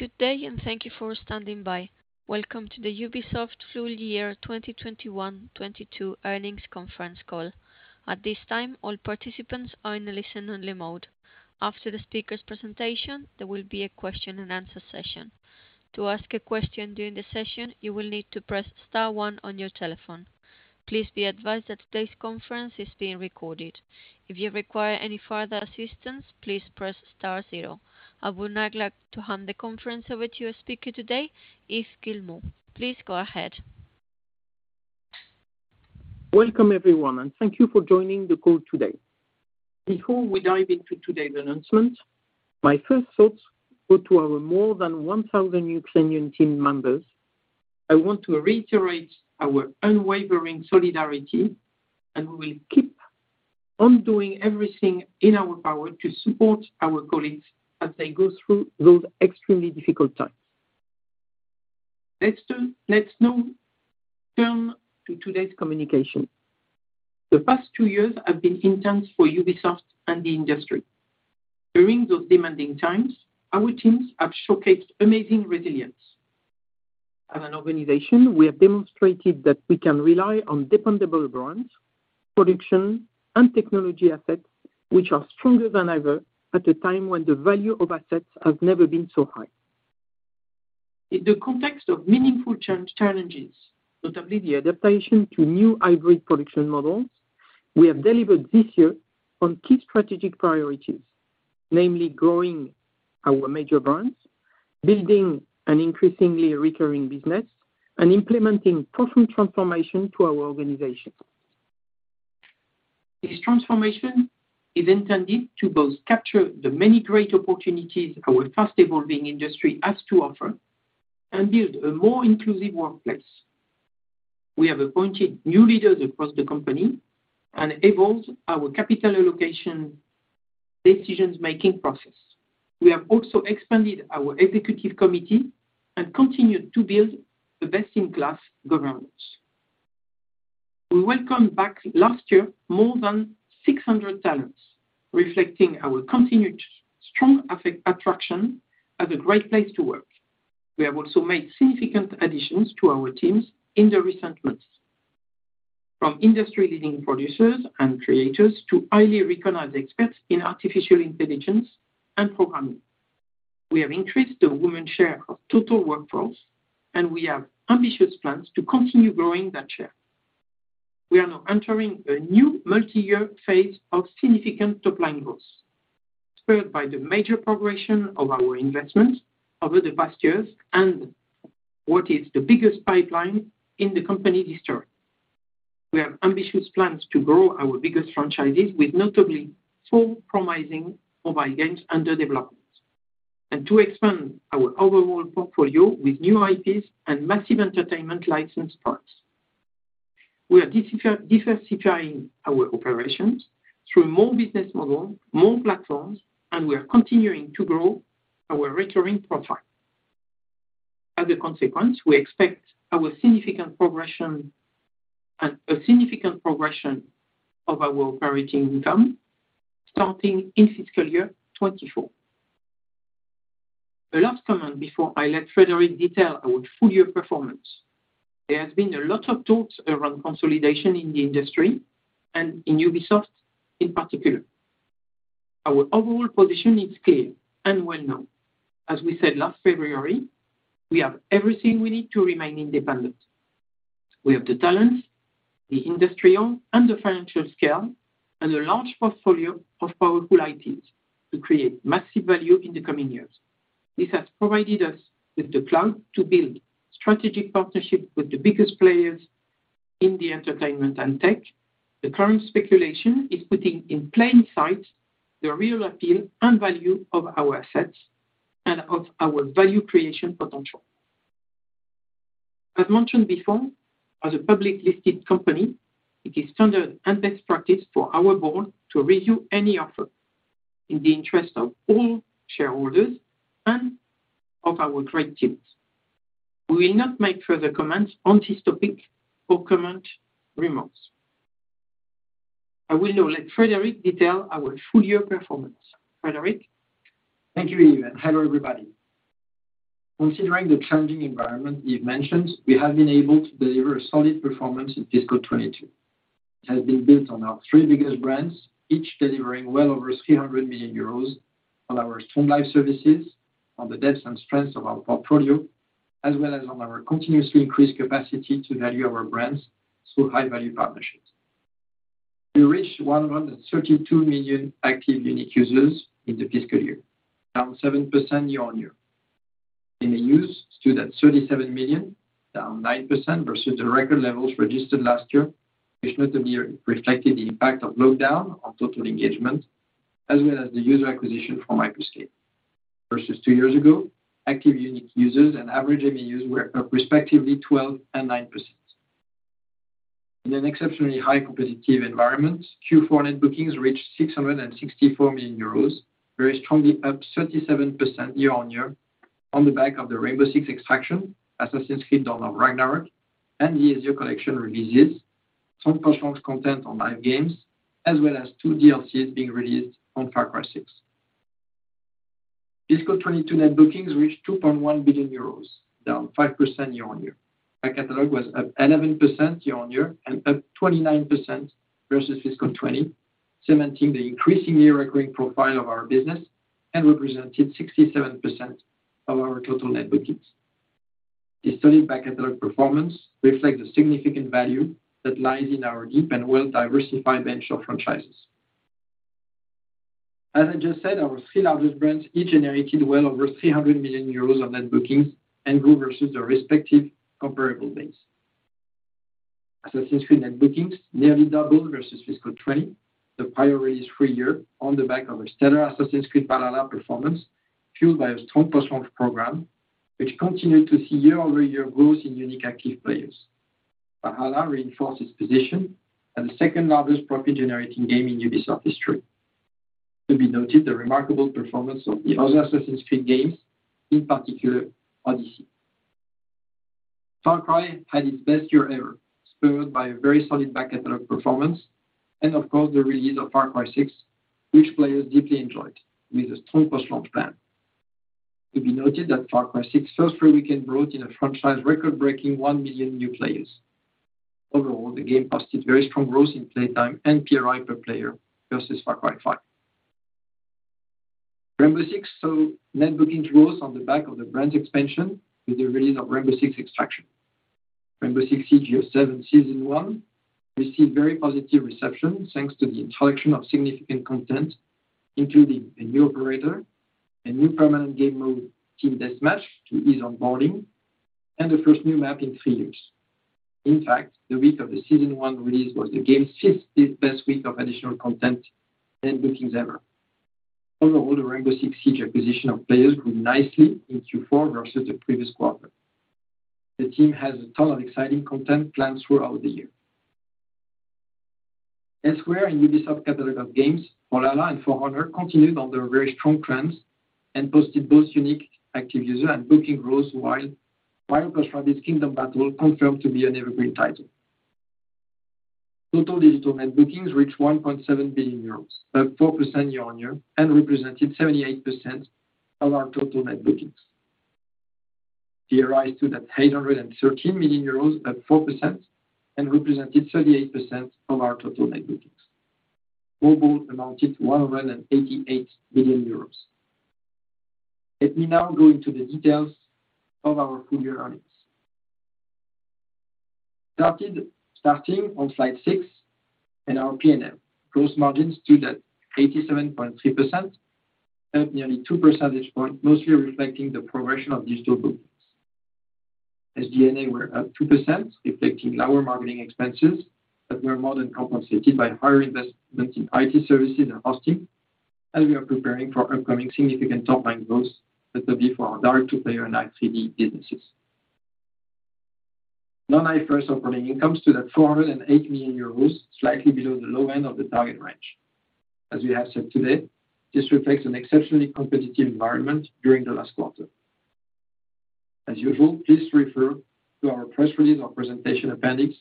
Good day and thank you for standing by. Welcome to the Ubisoft Full Year 2021-2022 earnings conference call. At this time, all participants are in a listen-only mode. After the speaker's presentation, there will be a question and answer session. To ask a question during the session, you will need to press star one on your telephone. Please be advised that today's conference is being recorded. If you require any further assistance, please press star zero. I would now like to hand the conference over to our speaker today, Yves Guillemot. Please go ahead. Welcome everyone, and thank you for joining the call today. Before we dive into today's announcement, my first thoughts go to our more than 1,000 Ukrainian team members. I want to reiterate our unwavering solidarity, and we will keep on doing everything in our power to support our colleagues as they go through those extremely difficult times. Let's now turn to today's communication. The past 2 years have been intense for Ubisoft and the industry. During those demanding times, our teams have showcased amazing resilience. As an organization, we have demonstrated that we can rely on dependable brands, production, and technology assets which are stronger than ever at a time when the value of assets has never been so high. In the context of meaningful challenges, notably the adaptation to new hybrid production models, we have delivered this year on key strategic priorities. Namely, growing our major brands, building an increasingly recurring business, and implementing profound transformation to our organization. This transformation is intended to both capture the many great opportunities our fast-evolving industry has to offer and build a more inclusive workplace. We have appointed new leaders across the company and evolved our capital allocation decision-making process. We have also expanded our executive committee and continued to build the best-in-class governance. We welcomed back last year more than 600 talents, reflecting our continued strong attraction as a great place to work. We have also made significant additions to our teams in the recent months, from industry-leading producers and creators to highly recognized experts in artificial intelligence and programming. We have increased the women's share of total workforce, and we have ambitious plans to continue growing that share. We are now entering a new multi-year phase of significant top-line growth, spurred by the major progression of our investments over the past years and what is the biggest pipeline in the company history. We have ambitious plans to grow our biggest franchises with notably four promising mobile games under development, and to expand our overall portfolio with new IPs and massive entertainment license partners. We are diversifying our operations through more business models, more platforms, and we are continuing to grow our recurring profile. As a consequence, we expect a significant progression of our operating income starting in fiscal year 2024. The last comment before I let Frédéric detail our full year performance. There has been a lot of talks around consolidation in the industry and in Ubisoft in particular. Our overall position is clear and well-known. As we said last February, we have everything we need to remain independent. We have the talent, the industrial and the financial scale, and a large portfolio of powerful IPs to create massive value in the coming years. This has provided us with the clout to build strategic partnerships with the biggest players in the entertainment and tech. The current speculation is putting in plain sight the real appeal and value of our assets and of our value creation potential. As mentioned before, as a public-listed company, it is standard and best practice for our board to review any offer in the interest of all shareholders and of our great teams. We will not make further comments on this topic or remarks. I will now let Frédéric detail our full year performance. Frédéric. Thank you, Yves, and hello, everybody. Considering the challenging environment Yves mentioned, we have been able to deliver a solid performance in fiscal 2022. It has been built on our three biggest brands, each delivering well over 300 million euros on our strong live services, on the depth and strength of our portfolio, as well as on our continuously increased capacity to value our brands through high-value partnerships. We reached 132 million active unique users in the fiscal year, down 7% year-over-year. Daily active users stood at 37 million, down 9% versus the record levels registered last year, which notably reflected the impact of lockdown on total engagement, as well as the user acquisition from Hyper Scape. Versus two years ago, active unique users and average daily active users were up respectively 12% and 9%. In an exceptionally high competitive environment, Q4 net bookings reached 664 million euros, very strongly up 37% year-on-year on the back of Rainbow Six Extraction, Assassin's Creed Valhalla: Dawn of Ragnarök, and the Assassin's Creed The Ezio Collection remasters. Content on live games, as well as two DLCs being released on Far Cry 6. Fiscal 2022 net bookings reached 2.1 billion euros, down 5% year-on-year. Back catalog was up 11% year-on-year and up 29% versus fiscal 2020, cementing the increasing year recurring profile of our business and represented 67% of our total net bookings. The solid back catalog performance reflects the significant value that lies in our deep and well-diversified venture franchises. As I just said, our three largest brands each generated well over 300 million euros of net bookings and grew versus their respective comparable base. Assassin's Creed net bookings nearly doubled versus fiscal 2020, the prior release-free year, on the back of a stellar Assassin's Creed Valhalla performance, fueled by a strong post-launch program, which continued to see year-over-year growth in unique active players. Valhalla reinforced its position as the second largest profit-generating game in Ubisoft history. To be noted, the remarkable performance of the other Assassin's Creed games, in particular Odyssey. Far Cry had its best year ever, spurred by a very solid back catalog performance and of course, the release of Far Cry 6, which players deeply enjoyed with a strong post-launch plan. To be noted that Far Cry 6 first three weekends brought in a franchise record-breaking 1 million new players. Overall, the game posted very strong growth in play time and PRI per player versus Far Cry 5. Rainbow Six saw net bookings growth on the back of the brand expansion with the release of Rainbow Six Extraction. Rainbow Six Siege Year Seven, Season One received very positive reception thanks to the introduction of significant content, including a new operator, a new permanent game mode, Team Deathmatch, to ease onboarding, and the first new map in three years. In fact, the week of the Season One release was the game's 50 best week of additional content and bookings ever. Overall, the Rainbow Six Siege acquisition of players grew nicely in Q4 versus the previous quarter. The team has a ton of exciting content planned throughout the year. Elsewhere in Ubisoft catalog of games, Valhalla and For Honor continued on their very strong trends and posted both unique active user and booking growth, while Mario + Rabbids Kingdom Battle confirmed to be an evergreen title. Total digital net bookings reached 1.7 billion euros, up 4% year-on-year and represented 78% of our total net bookings. PRI stood at 813 million euros, up 4% and represented 38% of our total net bookings. Mobile amounted to 188 million euros. Let me now go into the details of our full year earnings. Starting on slide 6 in our PNL. Gross margins stood at 87.3%, up nearly two percentage points, mostly reflecting the progression of digital bookings. SG&A were up 2%, reflecting lower marketing expenses that were more than compensated by higher investments in IT services and hosting as we are preparing for upcoming significant top-line growth that will be for our direct-to-player and Live 3D businesses. Non-IFRS operating income stood at 408 million euros, slightly below the low end of the target range. As we have said today, this reflects an exceptionally competitive environment during the last quarter. As usual, please refer to our press release or presentation appendix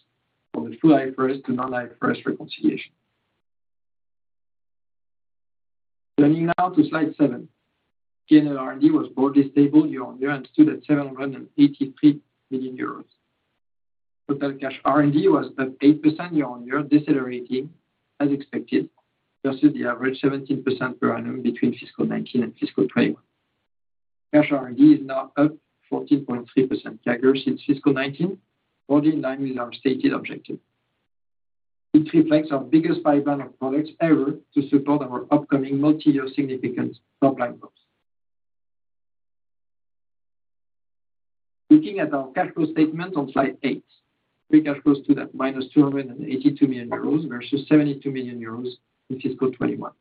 for the full IFRS to non-IFRS reconciliation. Turning now to slide 7. PNL R&D was broadly stable year-on-year and stood at 783 million euros. Total cash R&D was up 8% year-on-year, decelerating as expected versus the average 17% per annum between fiscal 2019 and fiscal 2020. Cash R&D is now up 14.3% CAGR since fiscal 2019, broadly in line with our stated objective. It reflects our biggest pipeline of products ever to support our upcoming multi-year significant top-line growth. Looking at our cash flow statement on slide 8. Free cash flow stood at -282 million euros versus 72 million euros in fiscal 2021.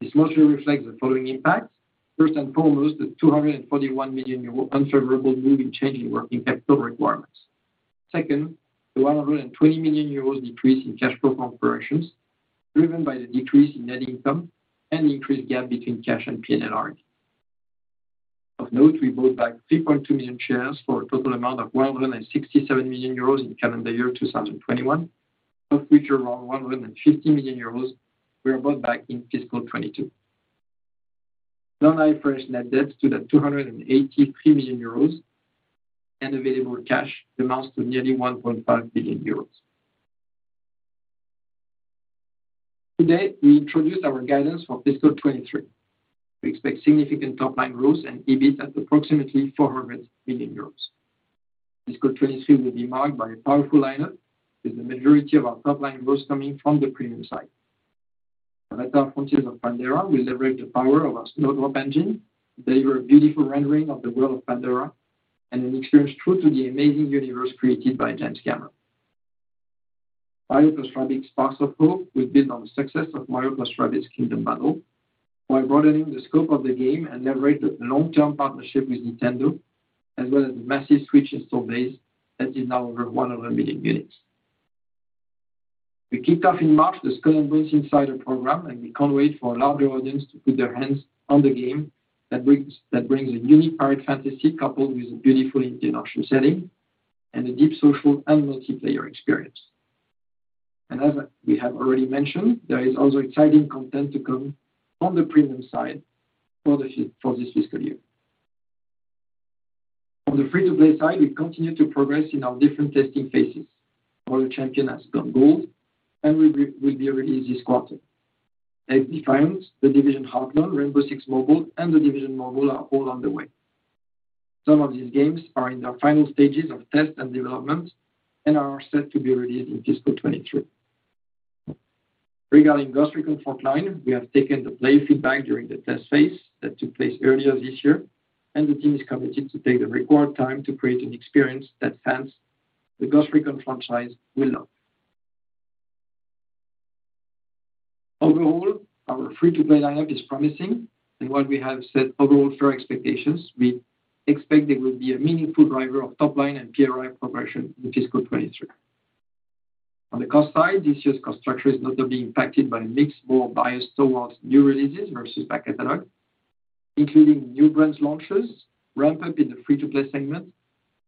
This mostly reflects the following impacts. First and foremost, the 241 million euro unfavorable move in changing working capital requirements. Second, the 120 million euros decrease in cash flow from operations driven by the decrease in net income and the increased gap between cash and PNL R&D. Of note, we bought back 3.2 million shares for a total amount of 167 million euros in calendar year 2021, of which around 150 million euros were bought back in fiscal 2022. Non-IFRS net debt stood at 283 million euros, and available cash amounts to nearly 1.5 billion euros. Today, we introduced our guidance for fiscal 2023. We expect significant top-line growth and EBIT at approximately 400 million euros. Fiscal 2023 will be marked by a powerful lineup, with the majority of our top-line growth coming from the premium side. Avatar: Frontiers of Pandora will leverage the power of our Snowdrop engine to deliver a beautiful rendering of the world of Pandora and an experience true to the amazing universe created by James Cameron. Mario + Rabbids Sparks of Hope will build on the success of Mario + Rabbids Kingdom Battle by broadening the scope of the game and leverage the long-term partnership with Nintendo, as well as the massive Switch install base that is now over 100 million units. We kicked off in March the Skull and Bones insider program, and we can't wait for a larger audience to put their hands on the game that brings a unique pirate fantasy coupled with a beautiful Indian Ocean setting and a deep social and multiplayer experience. As we have already mentioned, there is also exciting content to come on the premium side for this fiscal year. On the free-to-play side, we continue to progress in our different testing phases, where Roller Champions has gone gold and will be released this quarter. XDefiant, The Division Heartland, Rainbow Six Mobile, and The Division Resurgence are all on the way. Some of these games are in their final stages of test and development and are set to be released in fiscal 2023. Regarding Ghost Recon Frontline, we have taken the player feedback during the test phase that took place earlier this year, and the team is committed to take the required time to create an experience that fans the Ghost Recon franchise will love. Overall, our free-to-play lineup is promising, and while we have set overall fair expectations, we expect it will be a meaningful driver of top line and PRI progression in fiscal 2023. On the cost side, this year's cost structure is not only being impacted by a mix more biased towards new releases versus back catalog, including new brands launches, ramp-up in the free-to-play segment,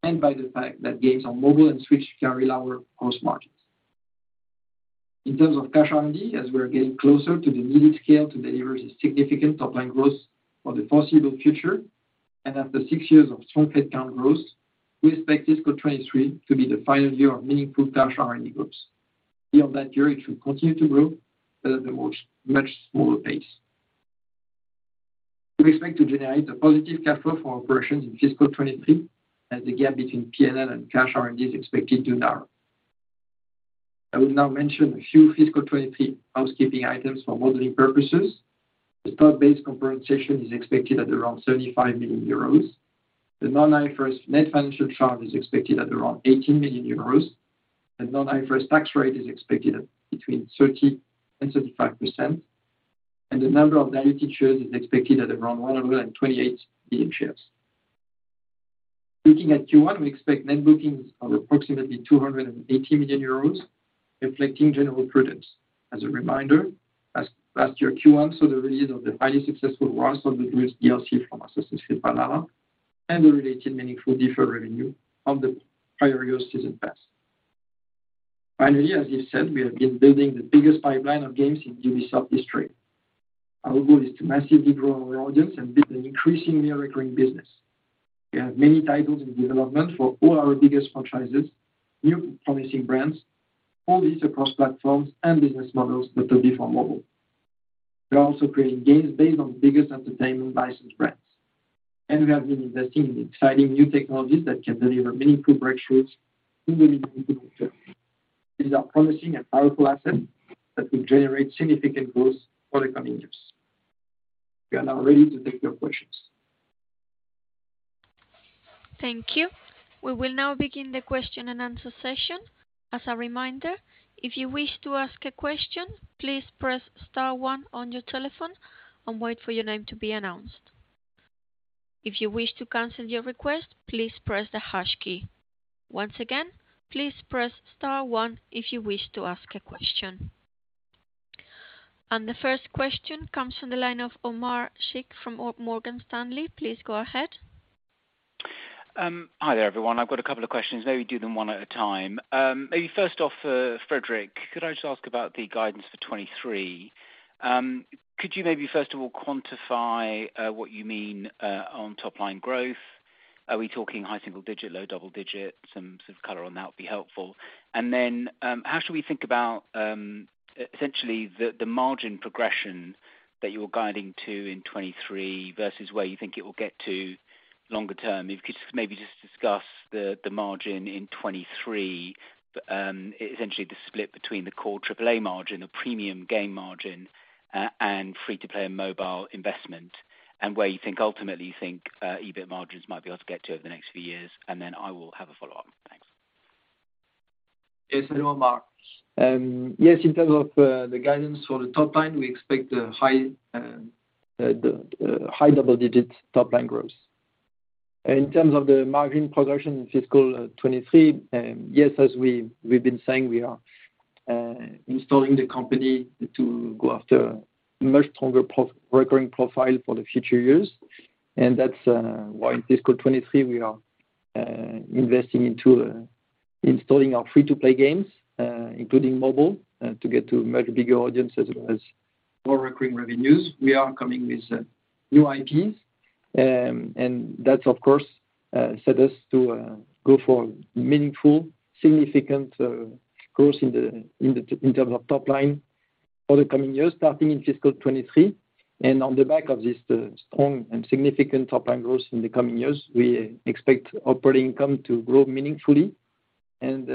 and by the fact that games on mobile and Switch carry lower cost margins. In terms of cash R&D, as we are getting closer to the needed scale to deliver significant top line growth for the foreseeable future, and after six years of strong headcount growth, we expect fiscal 2023 to be the final year of meaningful cash R&D growth. Beyond that year, it will continue to grow, but at a much smaller pace. We expect to generate a positive cash flow for our operations in fiscal 2023, as the gap between PNL and cash R&D is expected to narrow. I will now mention a few fiscal 2023 housekeeping items for modeling purposes. The stock-based compensation is expected at around 35 million euros. The non-IFRS net financial charge is expected at around 18 million euros. The non-IFRS tax rate is expected at between 30% and 35%. The number of diluted shares is expected at around 128 million shares. Looking at Q1, we expect net bookings of approximately 280 million euros, reflecting general prudence. As a reminder, last year's Q1 saw the release of the highly successful Wrath of the Druids DLC from Assassin's Creed Mirage, and the related meaningful deferred revenue from the prior year season pass. Finally, as you said, we have been building the biggest pipeline of games in Ubisoft history. Our goal is to massively grow our audience and build an increasingly recurring business. We have many titles in development for all our biggest franchises, new promising brands, all this across platforms and business models, notably for mobile. We are also creating games based on the biggest entertainment licensed brands. We have been investing in exciting new technologies that can deliver meaningful breakthroughs in the mid to long term. These are promising and powerful assets that will generate significant growth for the coming years. We are now ready to take your questions. Thank you. We will now begin the question-and-answer session. As a reminder, if you wish to ask a question, please press star one on your telephone and wait for your name to be announced. If you wish to cancel your request, please press the hash key. Once again, please press star one if you wish to ask a question. The first question comes from the line of Omar Sheikh from Morgan Stanley. Please go ahead. Hi there, everyone. I've got a couple of questions, maybe do them one at a time. Maybe first off for Frédéric, could I just ask about the guidance for 2023? Could you maybe first of all quantify what you mean on top line growth? Are we talking high single-digit, low double-digit? Some sort of color on that would be helpful. Then, how should we think about essentially the margin progression that you're guiding to in 2023 versus where you think it will get to longer term? If you could just discuss the margin in 2023, essentially the split between the core triple-A margin, the premium game margin, and free-to-play mobile investment, and where you ultimately think EBIT margins might be able to get to over the next few years. I will have a follow-up. Thanks. Yes, hello, Omar. Yes, in terms of the guidance for the top line, we expect high double-digit top line growth. In terms of the margin progression in fiscal 2023, yes, as we've been saying, we are positioning the company to go after a much stronger recurring profile for the future years. That's why in fiscal 2023 we are investing into positioning our free-to-play games, including mobile, to get to a much bigger audience as well as more recurring revenues. We are coming with new IPs, and that's of course sets us up to go for meaningful, significant growth in the in terms of top line for the coming years, starting in fiscal 2023. On the back of this, strong and significant top line growth in the coming years, we expect operating income to grow meaningfully and,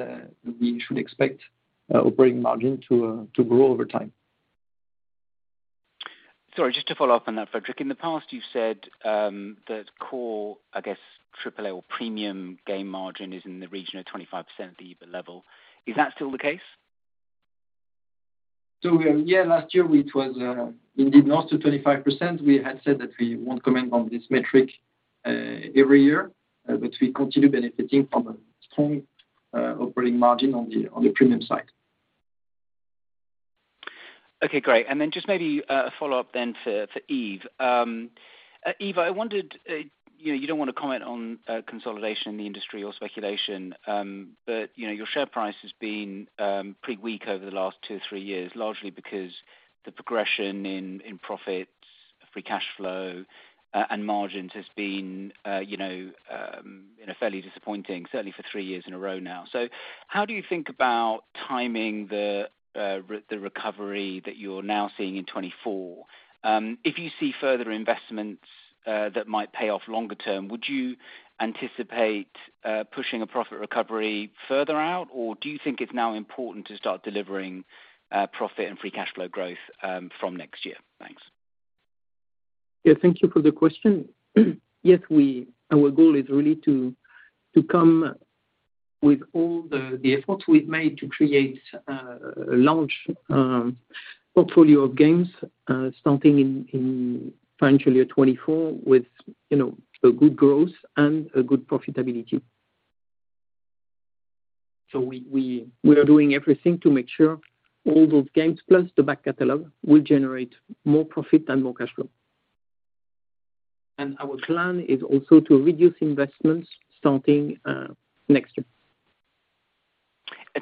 we should expect, operating margin to grow over time. Sorry, just to follow up on that, Frédéric. In the past you've said that core, I guess, triple A or premium game margin is in the region of 25% at the EBIT level. Is that still the case? Yeah, last year it was indeed north of 25%. We had said that we won't comment on this metric every year, but we continue benefiting from a strong operating margin on the premium side. Okay, great. Then just maybe a follow-up then for Yves. Yves, I wondered, you know, you don't want to comment on consolidation in the industry or speculation, but, you know, your share price has been pretty weak over the last 2-3 years, largely because the progression in profits, free cash flow, and margins has been, you know, fairly disappointing, certainly for 3 years in a row now. How do you think about timing the recovery that you're now seeing in 2024? If you see further investments that might pay off longer term, would you anticipate pushing a profit recovery further out? Or do you think it's now important to start delivering profit and free cash flow growth from next year? Thanks. Yeah. Thank you for the question. Yes, our goal is really to come with all the efforts we've made to create a large portfolio of games, starting in financial year 2024 with, you know, a good growth and a good profitability. We are doing everything to make sure all those games plus the back catalog will generate more profit and more cash flow. Our plan is also to reduce investments starting next year.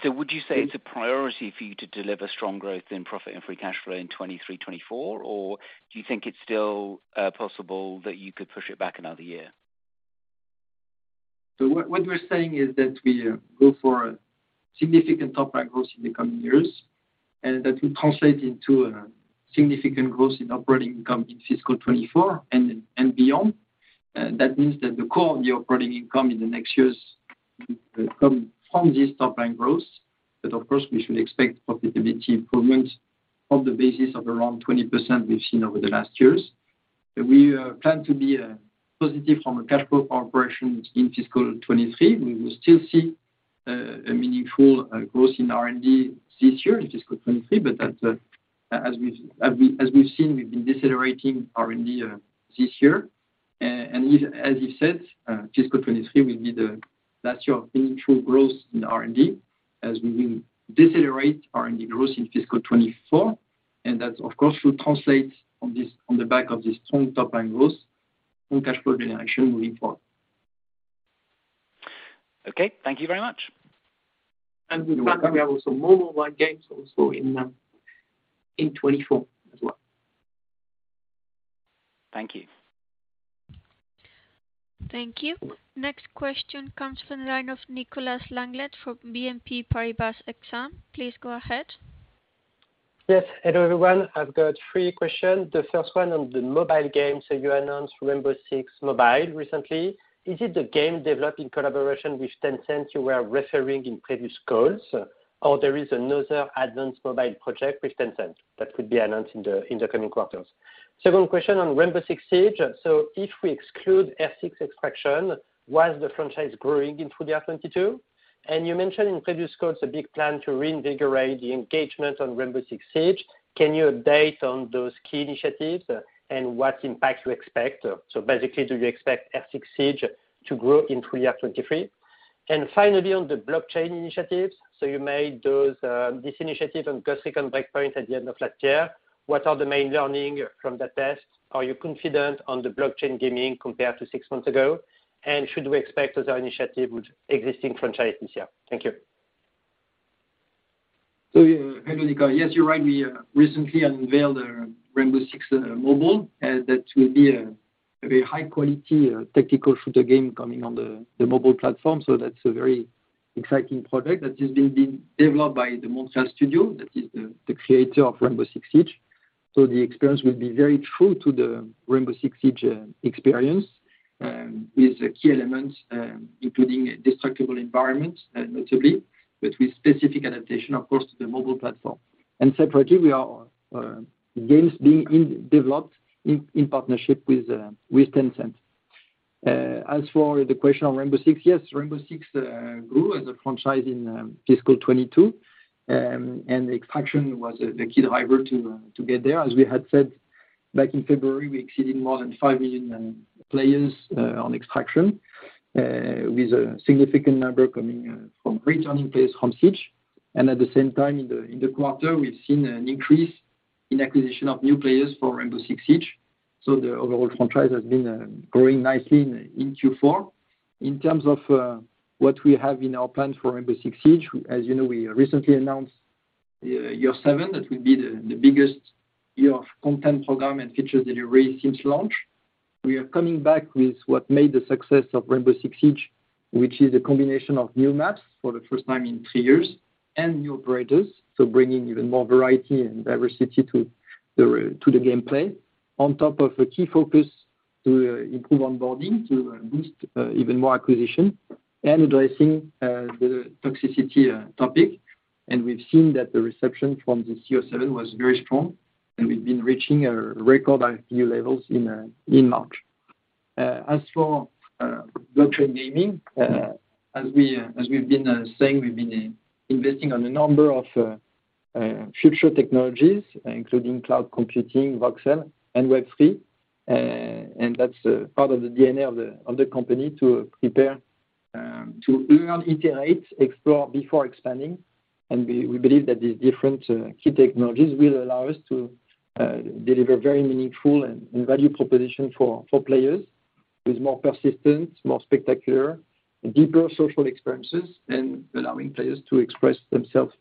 Would you say it's a priority for you to deliver strong growth in profit and free cash flow in 2023, 2024? Or do you think it's still possible that you could push it back another year? What we're saying is that we go for a significant top line growth in the coming years, and that will translate into a significant growth in operating income in fiscal 2024 and beyond. That means that the core of the operating income in the next years will come from this top line growth. Of course, we should expect profitability improvements on the basis of around 20% we've seen over the last years. We plan to be positive from a cash flow operation in fiscal 2023. We will still see a meaningful growth in R&D this year, in fiscal 2023, but that, as we've seen, we've been decelerating R&D this year. As Yves said, fiscal 2023 will be the last year of true growth in R&D as we will decelerate R&D growth in fiscal 2024. That of course will translate to cash flow generation on the back of this strong top-line growth moving forward. Okay. Thank you very much. We plan. You're welcome. To have also more mobile games also in 2024 as well. Thank you. Thank you. Next question comes from the line of Nicolas Langlet from BNP Paribas Exane. Please go ahead. Yes. Hello, everyone. I've got three questions. The first one on the mobile games that you announced, Rainbow Six Mobile recently. Is it the game developed in collaboration with Tencent you were referring in previous calls? Or there is another advanced mobile project with Tencent that could be announced in the coming quarters? Second question on Rainbow Six Siege. If we exclude R6 Extraction, was the franchise growing in full year 2022? You mentioned in previous calls a big plan to reinvigorate the engagement on Rainbow Six Siege. Can you update on those key initiatives and what impact you expect? Basically, do you expect R6 Siege to grow in full year 2023? Finally, on the blockchain initiatives. You made those, this initiative on Ghost Recon Breakpoint at the end of last year. What are the main learning from that test? Are you confident on the blockchain gaming compared to six months ago? Should we expect other initiative with existing franchises this year? Thank you. Yeah. Hello, Nicolas. Yes, you're right. We recently unveiled Rainbow Six Mobile that will be a high quality technical shooter game coming on the mobile platform. That's a very exciting project that is being developed by the Montreal studio that is the creator of Rainbow Six Siege. The experience will be very true to the Rainbow Six Siege experience with key elements including destructible environments notably, but with specific adaptation, of course, to the mobile platform. Separately, we have games being developed in partnership with Tencent. As for the question on Rainbow Six, yes, Rainbow Six grew as a franchise in fiscal 2022. Extraction was the key driver to get there. As we had said back in February, we exceeded more than 5 million players on Extraction with a significant number coming from returning players from Siege. At the same time, in the quarter, we've seen an increase in acquisition of new players for Rainbow Six Siege. The overall franchise has been growing nicely in Q4. In terms of what we have in our plans for Rainbow Six Siege, as you know, we recently announced Year 7. That will be the biggest year of content program and features delivery since launch. We are coming back with what made the success of Rainbow Six Siege, which is a combination of new maps for the first time in three years and new operators, so bringing even more variety and diversity to the gameplay, on top of a key focus to improve onboarding to boost even more acquisition and addressing the toxicity topic. We've seen that the reception from this Year 7 was very strong, and we've been reaching record CCU levels in March. As for blockchain gaming, as we've been saying, we've been investing in a number of future technologies, including cloud computing, voxel, and Web3, and that's part of the DNA of the company to prepare to learn, iterate, explore before expanding. We believe that these different key technologies will allow us to deliver very meaningful and value proposition for players with more persistence, more spectacular, deeper social experiences, and allowing players to express themselves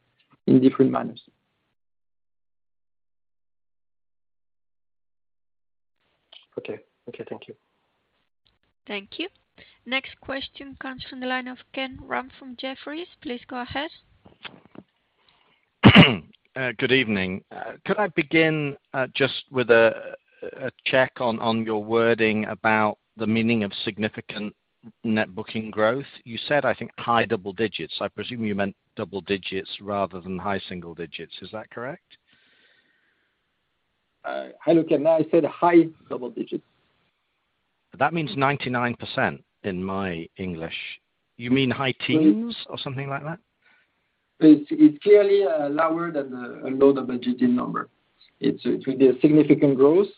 in different manners. Okay. Okay, thank you. Thank you. Next question comes from the line of Ken Rumph from Jefferies. Please go ahead. Good evening. Could I begin just with a check on your wording about the meaning of significant net booking growth? You said, I think, high double digits. I presume you meant double digits rather than high single digits. Is that correct? Hello, Ken. I said high double digits. That means 99% in my English. You mean high teens or something like that? It's clearly lower than a low double-digit number. It will be a significant growth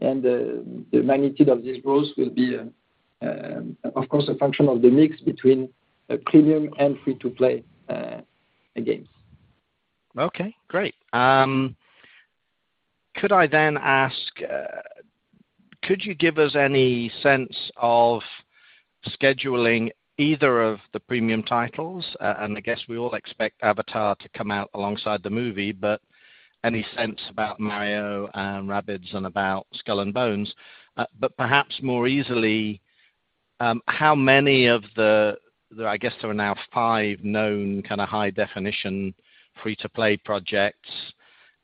and the magnitude of this growth will be, of course, a function of the mix between premium and free-to-play games. Okay, great. Could I then ask? Could you give us any sense of scheduling either of the premium titles? I guess we all expect Avatar to come out alongside the movie, but any sense about Mario and Rabbids and about Skull and Bones? Perhaps more easily, I guess there are now five known kind of high-definition, free-to-play projects.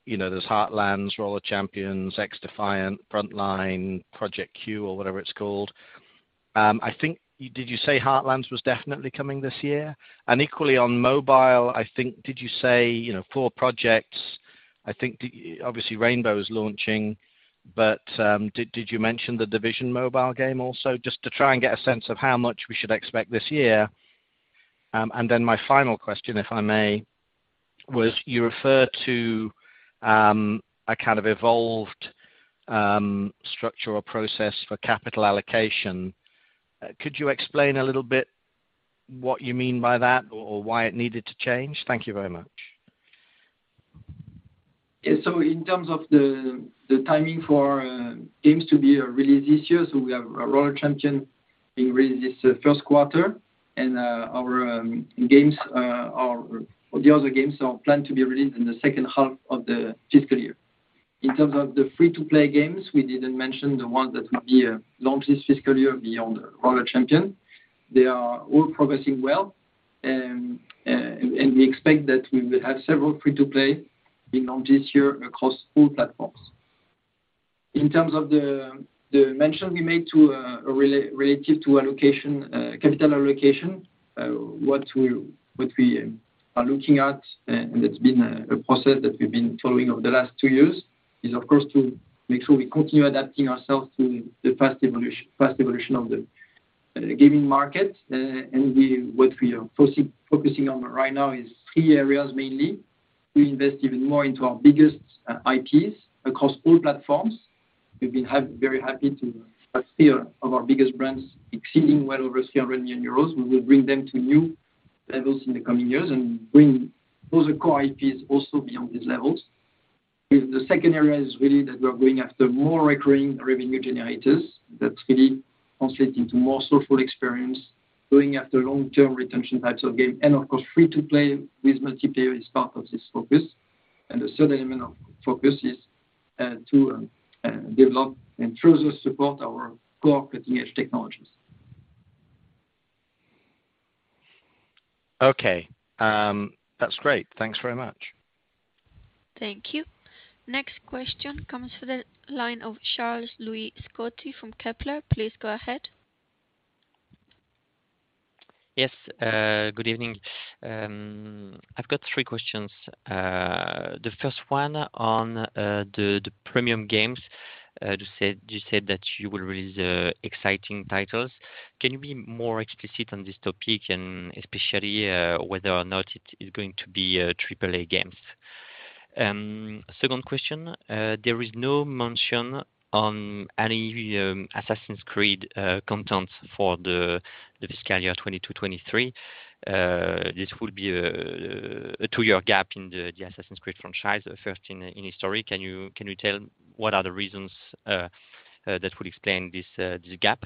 You know, there's Heartland, Roller Champions, XDefiant, Frontline, Project Q, or whatever it's called. Did you say Heartland was definitely coming this year? Equally on mobile, I think, did you say, you know, four projects? I think obviously Rainbow is launching, but did you mention the Division mobile game also? Just to try and get a sense of how much we should expect this year. My final question, if I may, was you referred to a kind of evolved structural process for capital allocation. Could you explain a little bit what you mean by that or why it needed to change? Thank you very much. Yeah. In terms of the timing for games to be released this year, we have Roller Champions being released this Q1, and the other games are planned to be released in the H2 of the fiscal year. In terms of the free-to-play games, we didn't mention the ones that will be launched this fiscal year beyond Roller Champions. They are all progressing well, and we expect that we will have several free-to-play being launched this year across all platforms. In terms of the mention we made to relative to allocation, capital allocation, what we are looking at, and it's been a process that we've been following over the last two years, is, of course, to make sure we continue adapting ourselves to the fast evolution of the gaming market. What we are focusing on right now is three areas mainly. We invest even more into our biggest IPs across all platforms. We've been very happy to see our biggest brands exceeding well over several million EUR. We will bring them to new levels in the coming years and bring other core IPs also beyond these levels. The second area is really that we are going after more recurring revenue generators that really translate into more social experience, going after long-term retention types of game, and of course, free-to-play with multiplayer is part of this focus. The third element of focus is to develop and further support our core cutting-edge technologies. Okay. That's great. Thanks very much. Thank you. Next question comes to the line of Charles-Louis Scotti from Kepler Cheuvreux. Please go ahead. Yes. Good evening. I've got three questions. The first one on the premium games. You said that you will release exciting titles. Can you be more explicit on this topic and especially whether or not it is going to be triple-A games? Second question, there is no mention of any Assassin's Creed content for the fiscal year 2020 to 2023. This will be a two-year gap in the Assassin's Creed franchise, first in history. Can you tell what are the reasons that would explain this gap?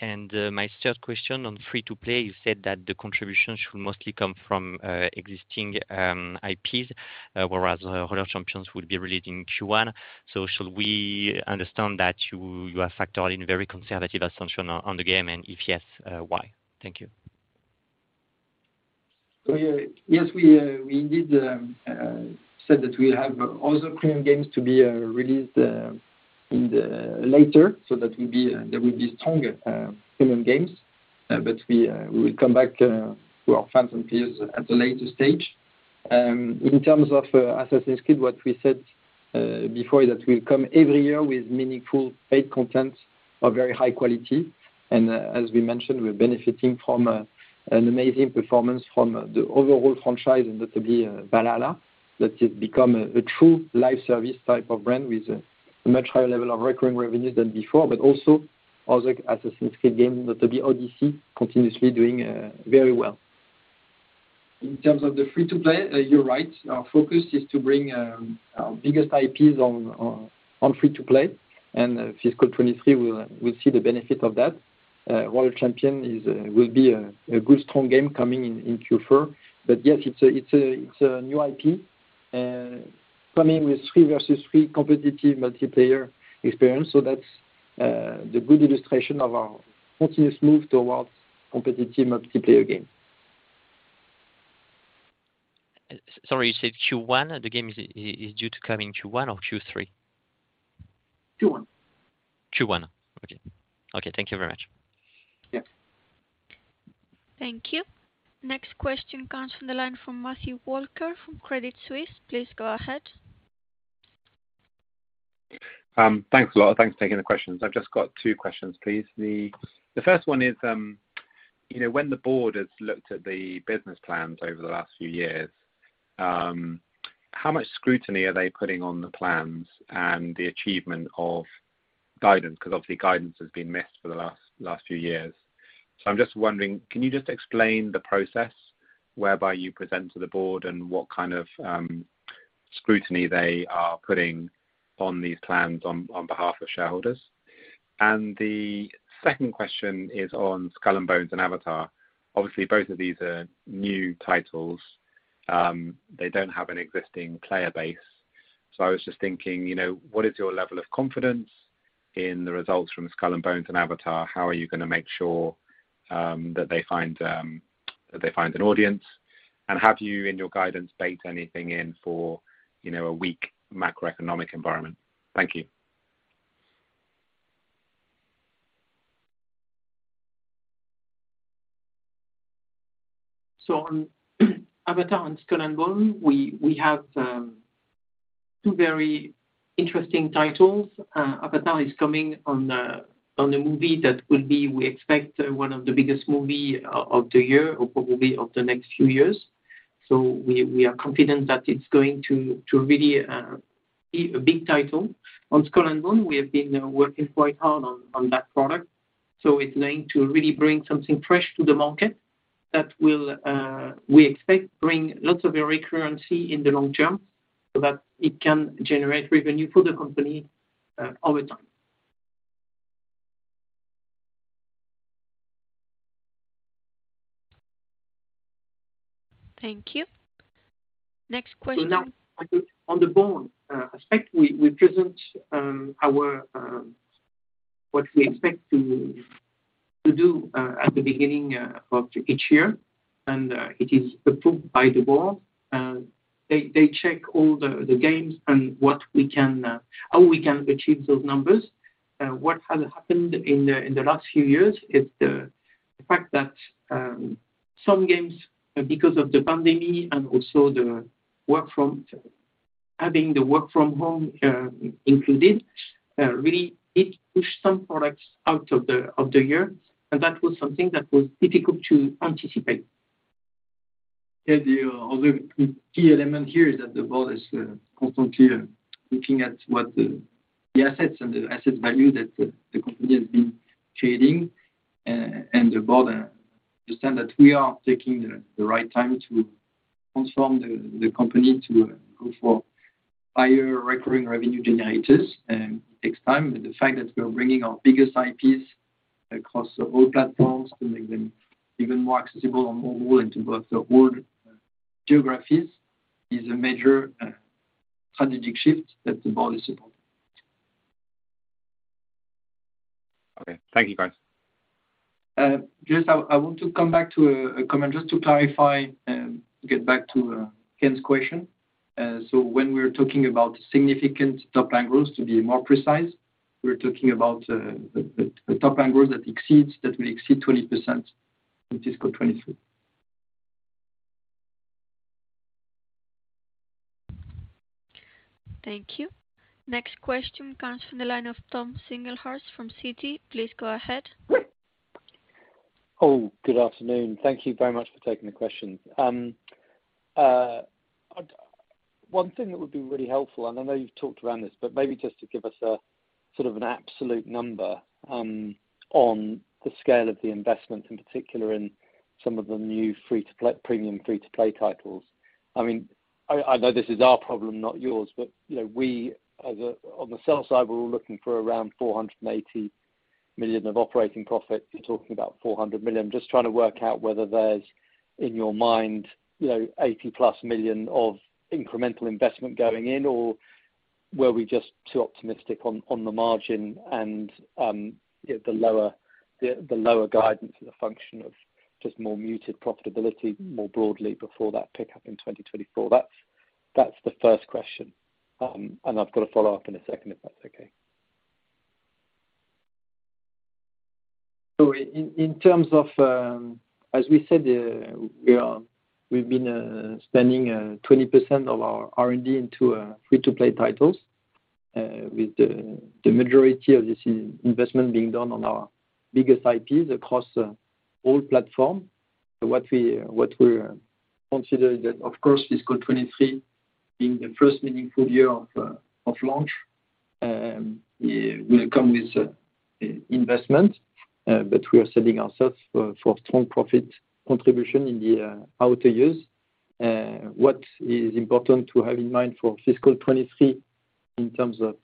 My third question on free-to-play, you said that the contribution should mostly come from existing IPs, whereas Roller Champions will be released in Q1. Should we understand that you have factored in very conservative assumption on the game, and if yes, why? Thank you. Yes, we indeed said that we'll have other premium games to be released in the latter. That will be stronger premium games, but we will come back to our fans and peers at a later stage. In terms of Assassin's Creed, what we said before, that we'll come every year with meaningful paid content of very high quality. As we mentioned, we're benefiting from an amazing performance from the overall franchise and thanks to Valhalla that has become a true live service type of brand with a much higher level of recurring revenue than before, but also other Assassin's Creed game thanks to Odyssey continuously doing very well. In terms of the free-to-play, you're right. Our focus is to bring our biggest IPs to free-to-play and fiscal 2023 we'll see the benefit of that. Roller Champions will be a good strong game coming in Q4. Yes, it's a new IP coming with 3 versus 3 competitive multiplayer experience. That's the good illustration of our continuous move towards competitive multiplayer game. Sorry, you said Q1. The game is due to come in Q1 or Q3? Q1. Okay. Okay, thank you very much. Yeah. Thank you. Next question comes from the line from Matthew Walker from Credit Suisse. Please go ahead. Thanks a lot. Thanks for taking the questions. I've just got two questions, please. The first one is, you know, when the board has looked at the business plans over the last few years, how much scrutiny are they putting on the plans and the achievement of guidance? Because obviously guidance has been missed for the last few years. I'm just wondering, can you just explain the process whereby you present to the board and what kind of scrutiny they are putting on these plans on behalf of shareholders? The second question is on Skull and Bones and Avatar. Obviously both of these are new titles. They don't have an existing player base. So I was just thinking, you know, what is your level of confidence in the results from Skull and Bones and Avatar? How are you gonna make sure that they find an audience? Have you, in your guidance, baked anything in for, you know, a weak macroeconomic environment? Thank you. On Avatar and Skull and Bones, we have two very interesting titles. Avatar is coming on the movie that will be, we expect, one of the biggest movie of the year or probably of the next few years. We are confident that it's going to really be a big title. On Skull and Bones, we have been working quite hard on that product, so it's going to really bring something fresh to the market that will, we expect, bring lots of recurrency in the long term so that it can generate revenue for the company, over time. Thank you. Next question. Now on the board aspect, we present what we expect to do at the beginning of each year. It is approved by the board. They check all the games and how we can achieve those numbers. What has happened in the last few years is the fact that some games are because of the pandemic and also having the work from home included really it pushed some products out of the year, and that was something that was difficult to anticipate. The other key element here is that the board is constantly looking at what the assets and the asset value that the company has been creating and the board understand that we are taking the right time to transform the company to go for higher recurring revenue generators. It takes time, but the fact that we're bringing our biggest IPs across all platforms to make them even more accessible on mobile into both the world geographies is a major strategic shift that the board is supporting. Okay. Thank you, guys. I want to come back to a comment just to clarify and get back to Ken's question. When we're talking about significant top line growth, to be more precise, we're talking about the top line growth that will exceed 20% in fiscal 2023. Thank you. Next question comes from the line of Tom Singlehurst from Citi. Please go ahead. Good afternoon. Thank you very much for taking the questions. One thing that would be really helpful, and I know you've talked around this, but maybe just to give us a sort of an absolute number, on the scale of the investment, in particular in some of the new free-to-play premium free-to-play titles. I mean, I know this is our problem, not yours, but you know, on the sell side, we're all looking for around 480 million of operating profit. You're talking about 400 million. I'm just trying to work out whether there's, in your mind, you know, 80+ million of incremental investment going in or were we just too optimistic on the margin and, you know, the lower guidance is a function of just more muted profitability more broadly before that pickup in 2024. That's the first question. I've got a follow-up in a second, if that's okay. In terms of, as we said, we've been spending 20% of our R&D into free-to-play titles, with the majority of this investment being done on our biggest IPs across all platforms. What we consider that, of course, fiscal 2023 being the first meaningful year of launch will come with investment. What is important to have in mind for fiscal 2023 in terms of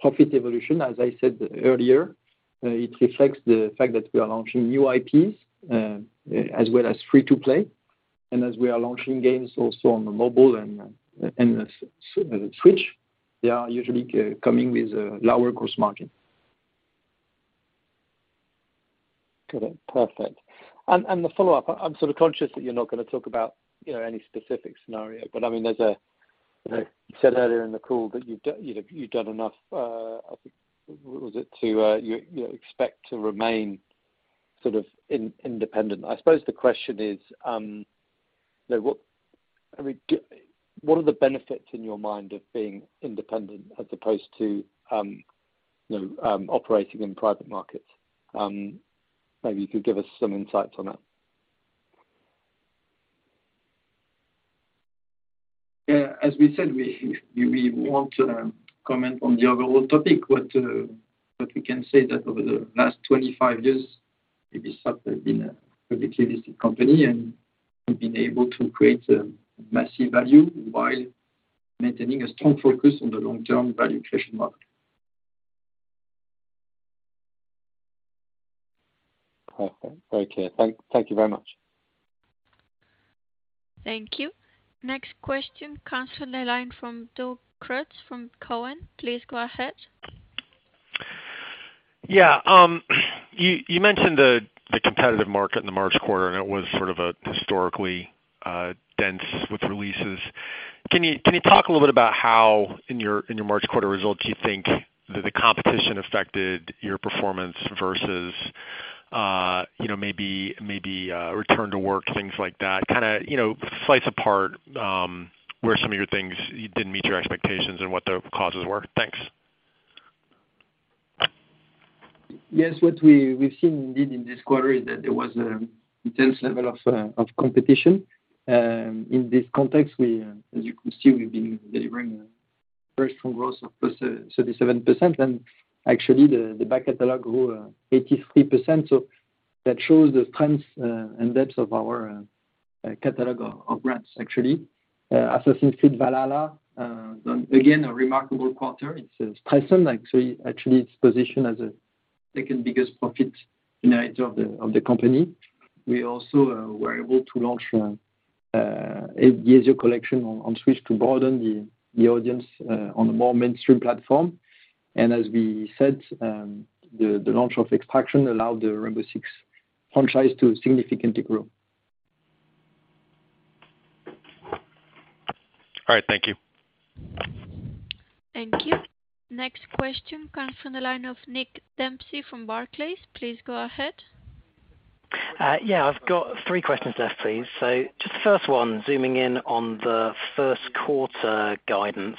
profit evolution, as I said earlier, it reflects the fact that we are launching new IPs, as well as free-to-play. As we are launching games also on the mobile and the Switch, they are usually coming with a lower gross margin. Got it. Perfect. The follow-up, I'm sort of conscious that you're not gonna talk about, you know, any specific scenario. I mean, you know, you said earlier in the call that you've done enough, I think, you expect to remain sort of independent. I suppose the question is, you know, I mean, what are the benefits in your mind of being independent as opposed to, you know, operating in private markets? Maybe you could give us some insights on that. Yeah, as we said, we won't comment on the overall topic, but what we can say is that over the last 25 years, Ubisoft has been a publicly listed company, and we've been able to create a massive value while maintaining a strong focus on the long-term value creation model. Perfect. Very clear. Thank you very much. Thank you. Next question comes from the line from Doug Creutz from Cowen. Please go ahead. Yeah. You mentioned the competitive market in the March quarter, and it was sort of historically dense with releases. Can you talk a little bit about how in your March quarter results you think the competition affected your performance versus, you know, maybe return to work, things like that? Kinda, you know, slice apart where some of your things didn't meet your expectations and what the causes were. Thanks. Yes. What we've seen indeed in this quarter is that there was intense level of competition. In this context, as you can see, we've been delivering very strong growth of 37%. Actually, the back catalog grew 83%, so that shows the strength and depth of our catalog of brands actually. Assassin's Creed Valhalla again a remarkable quarter. It's impressive, actually, its position as a second biggest profit unit of the company. We also were able to launch a Ubisoft collection on Switch to broaden the audience on a more mainstream platform. As we said, the launch of Extraction allowed the Rainbow Six franchise to significantly grow. All right. Thank you. Thank you. Next question comes from the line of Nick Dempsey from Barclays. Please go ahead. I've got three questions left, please. Just the first one, zooming in on the Q1 guidance,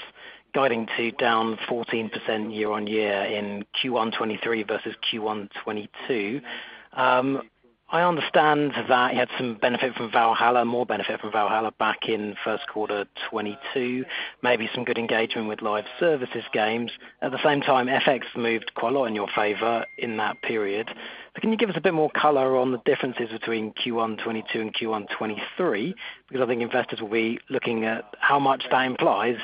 guiding to down 14% year-over-year in Q1 2023 versus Q1 2022. I understand that you had some benefit from Valhalla, more benefit from Valhalla back in Q1 2022, maybe some good engagement with live services games. At the same time, FX moved quite a lot in your favor in that period. Can you give us a bit more color on the differences between Q1 2022 and Q1 2023? Because I think investors will be looking at how much that implies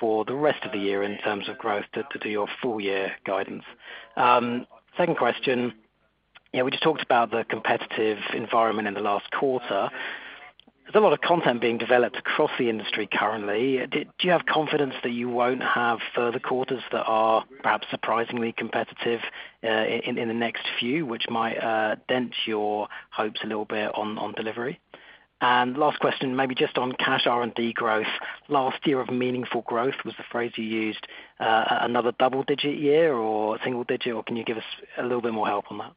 for the rest of the year in terms of growth to do your full year guidance. Second question. We just talked about the competitive environment in the last quarter. There's a lot of content being developed across the industry currently. Do you have confidence that you won't have further quarters that are perhaps surprisingly competitive, in the next few, which might dent your hopes a little bit on delivery? Last question, maybe just on cash R&D growth. Last year of meaningful growth was the phrase you used, another double digit year or single digit, or can you give us a little bit more help on that?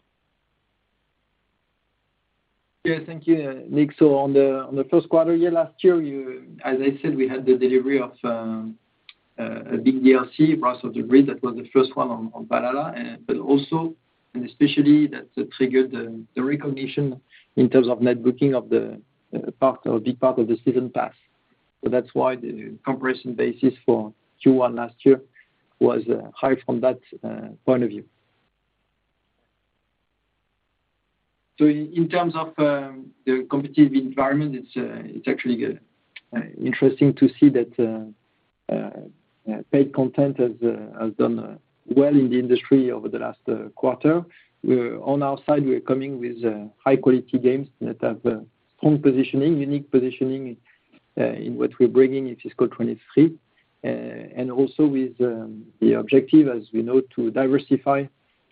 Thank you, Nick. On the Q1 last year, as I said, we had the delivery of a big DLC, Wrath of the Druids. That was the first one on Valhalla, but also, and especially that triggered the recognition in terms of net booking of the part or big part of the season pass. That's why the comps basis for Q1 last year was high from that point of view. In terms of the competitive environment, it's actually interesting to see that paid content has done well in the industry over the last quarter. On our side, we're coming with high quality games that have strong positioning, unique positioning in what we're bringing in fiscal 2023. Also with the objective, as we know, to diversify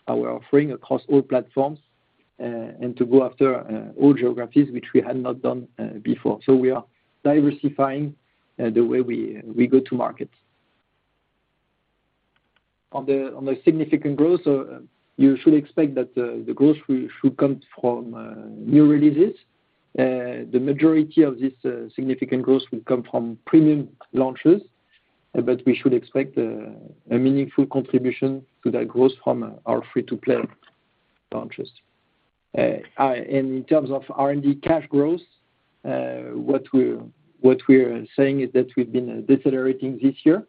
our offering across all platforms, and to go after all geographies which we had not done before. We are diversifying the way we go to market. On the significant growth, you should expect that the growth should come from new releases. The majority of this significant growth will come from premium launches, but we should expect a meaningful contribution to that growth from our free-to-play launches. In terms of R&D cash growth, what we're saying is that we've been decelerating this year.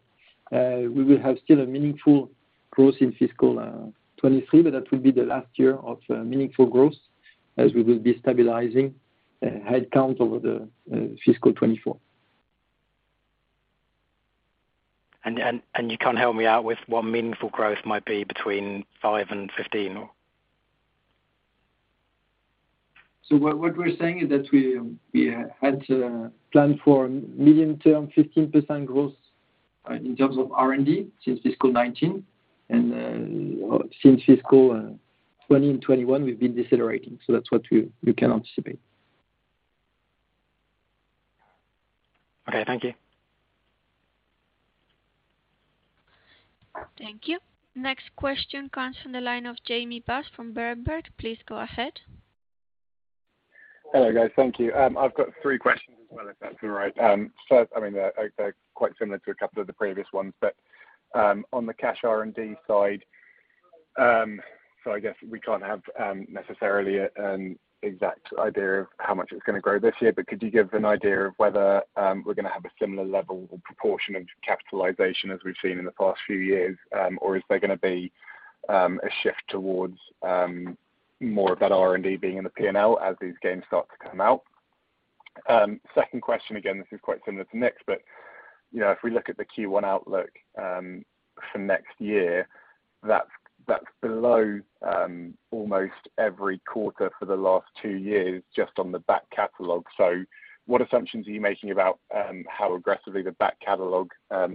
We will have still a meaningful growth in fiscal 2023, but that will be the last year of meaningful growth as we will be stabilizing headcounts over the fiscal 2024. You can't help me out with what meaningful growth might be between 5% and 15%, or? What we're saying is that we had planned for medium-term 15% growth in terms of R&D since fiscal 2019. Since fiscal 2020 and 2021, we've been decelerating. That's what you can anticipate. Okay, thank you. Thank you. Next question comes from the line of Jamie Bass from Berenberg. Please go ahead. Hello, guys. Thank you. I've got three questions as well, if that's all right. First. I mean, they're quite similar to a couple of the previous ones, but, on the cash R&D side, so I guess we can't have, necessarily an exact idea of how much it's gonna grow this year, but could you give an idea of whether, we're gonna have a similar level or proportion of capitalization as we've seen in the past few years? Or is there gonna be, a shift towards, more of that R&D being in the PNL as these games start to come out? Second question, again, this is quite similar to Nick's, but, you know, if we look at the Q1 outlook for next year, that's below almost every quarter for the last two years, just on the back catalog. What assumptions are you making about how aggressively the back catalog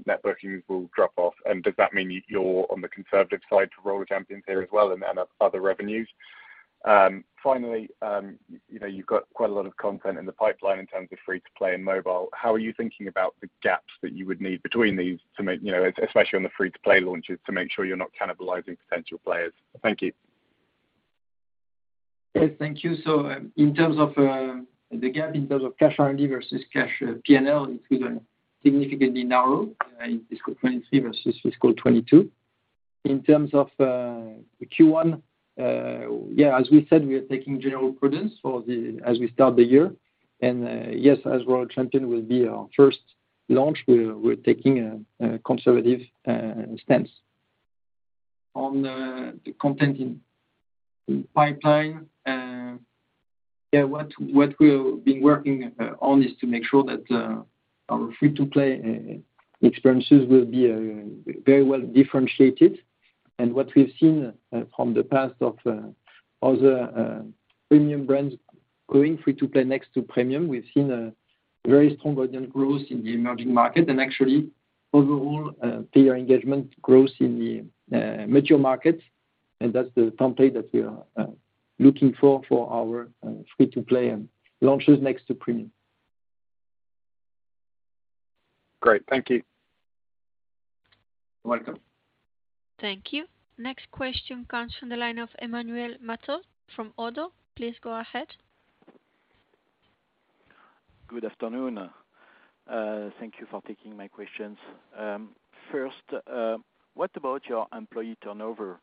net bookings will drop off? Does that mean you're on the conservative side to Roller Champions here as well and other revenues? Finally, you know, you've got quite a lot of content in the pipeline in terms of free to play and mobile. How are you thinking about the gaps that you would need between these to make sure you're not cannibalizing potential players? Thank you. Yes, thank you. In terms of the gap in terms of cash R&D versus cash PNL, it will significantly narrow in fiscal 2023 versus fiscal 2022. In terms of the Q1, as we said, we are taking general prudence as we start the year. As Roller Champions will be our first launch, we're taking a conservative stance. On the content in pipeline, what we've been working on is to make sure that our free-to-play experiences will be very well differentiated. What we've seen from the past of other premium brands going free to play next to premium, we've seen a very strong organic growth in the emerging market. Actually, overall, payer engagement growth in the mature markets. That's the template that we are looking for for our free-to-play launches next to premium. Great. Thank you. You're welcome. Thank you. Next question comes from the line of Emmanuel Matot from Oddo. Please go ahead. Good afternoon. Thank you for taking my questions. First, what about your employee turnover?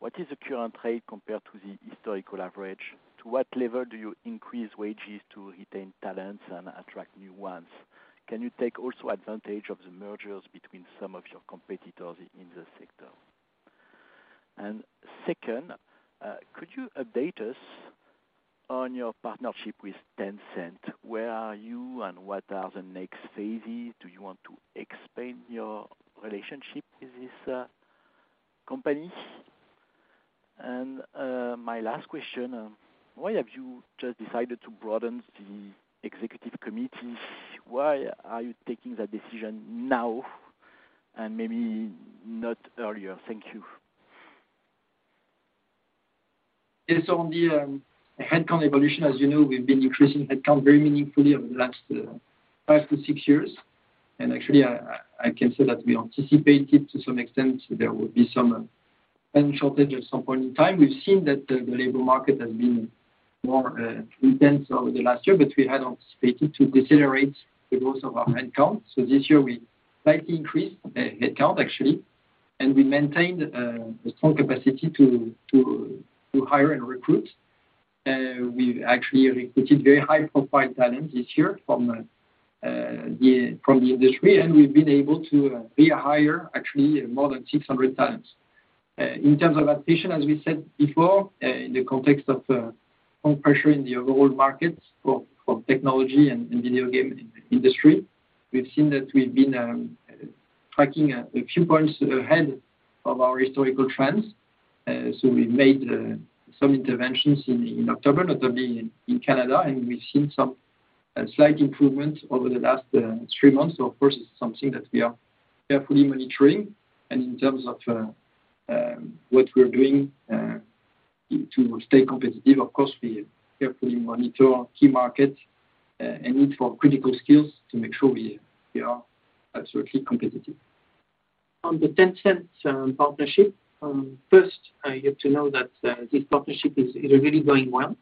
What is the current rate compared to the historical average? To what level do you increase wages to retain talents and attract new ones? Can you take also advantage of the mergers between some of your competitors in the sector? And second, could you update us on your partnership with Tencent? Where are you and what are the next phases? Do you want to expand your relationship with this company? And, my last question, why have you just decided to broaden the executive committee? Why are you taking that decision now and maybe not earlier? Thank you. On the headcount evolution, as you know, we've been decreasing headcount very meaningfully over the last 5-6 years. Actually I can say that we anticipated to some extent there would be some hands shortage at some point in time. We've seen that the labor market has been more intense over the last year, but we had anticipated to decelerate the growth of our headcount. This year we slightly increased headcount actually, and we maintained a strong capacity to hire and recruit. We've actually recruited very high profile talent this year from yeah, from the industry, and we've been able to rehire actually more than 600 times. In terms of attrition, as we said before, in the context of some pressure in the overall market for technology and video game industry, we've seen that we've been tracking a few points ahead of our historical trends. We made some interventions in October, notably in Canada, and we've seen some slight improvements over the last three months. Of course, it's something that we are carefully monitoring. In terms of what we're doing to stay competitive, of course, we carefully monitor key markets and look for critical skills to make sure we are absolutely competitive. On the Tencent partnership, first, you have to know that this partnership is really going well.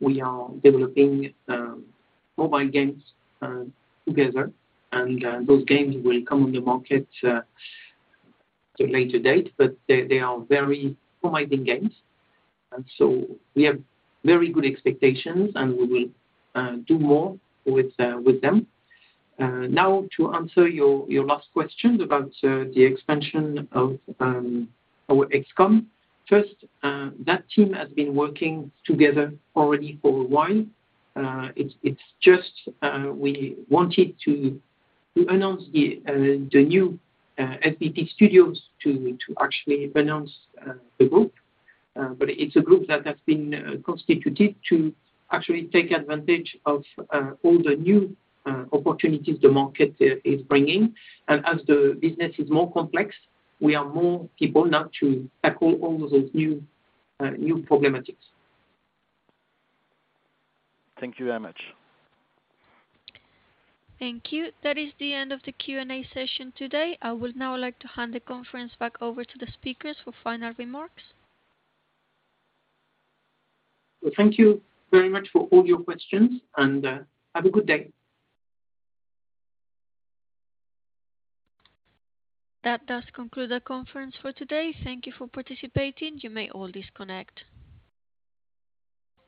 We are developing mobile games together, and those games will come on the market at a later date, but they are very promising games. We have very good expectations, and we will do more with them. Now to answer your last question about the expansion of our ExCom. First, that team has been working together already for a while. It's just, we wanted to announce the new Ubisoft Sherbrooke to actually announce the group. It's a group that has been constituted to actually take advantage of all the new opportunities the market is bringing. As the business is more complex, we are more people now to tackle all those new problematics. Thank you very much. Thank you. That is the end of the Q&A session today. I would now like to hand the conference back over to the speakers for final remarks. Well, thank you very much for all your questions and have a good day. That does conclude our conference for today. Thank you for participating. You may all disconnect.